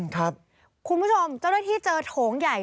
คุณผู้ชมเจ้าหน้าที่เจอโถงใหญ่